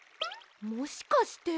もしかして。